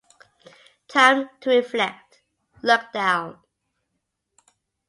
Time to reflect... Look down.